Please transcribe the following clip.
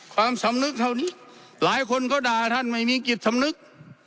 ความสำนึกเท่านี้หลายคนก็ด่าท่านไม่มีจิตสำนึก